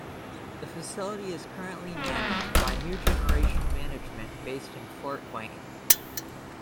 The facility is currently managed by New Generation Management based in Fort Wayne.